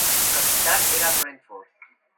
Su capital era Brentford.